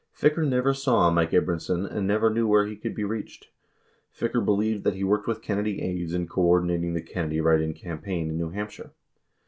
63 Ficker never saw Mike Abramson and never knew where he could be reached. Ficker believed that he worked with Kennedy aides in co ordinating the Kennedy write in campaign in New Hampshire.